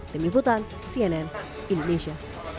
demi butan cnn indonesia